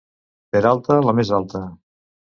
Peralta, la més alta.